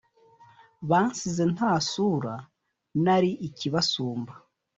bansize nta sura nari ikibasumba